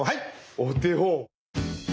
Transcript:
お手本！